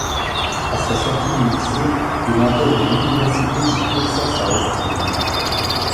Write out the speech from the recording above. À sa sortie du lycée, il intègre l'université du Texas à Austin.